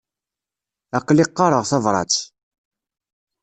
Aql-i qqareɣ tabrat.